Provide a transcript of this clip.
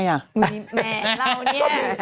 เรานี่